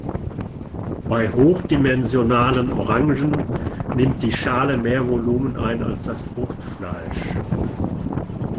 Bei hochdimensionalen Orangen nimmt die Schale mehr Volumen ein als das Fruchtfleisch.